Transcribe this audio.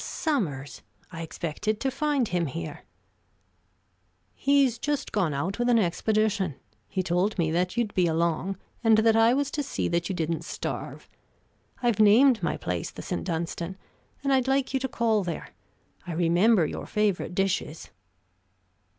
"Sommers? I expected to find him here." "He's just gone out with an expedition. He told me that you'd be along, and that I was to see that you didn't starve. I've named my place the St. Dunstan, and I'd like you to call there I remember your favorite dishes."